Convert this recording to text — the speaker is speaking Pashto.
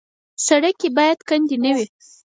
سړک کې باید کندې نه وي.